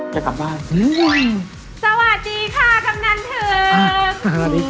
จะกลับบ้านฮือสวัสดีค่ะกำนั้นเถิงอ่าสวัสดีจ้ะ